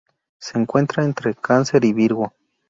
Se encuentra entre Cáncer y Virgo.